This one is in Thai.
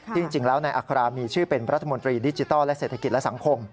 จริงแล้วนายอัครามีชื่อเป็นรัฐมนตรีดิจิทัลและเศรษฐกิจและสังคม